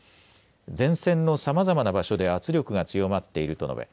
前線のさまざまな場所で圧力が強まっていると述べ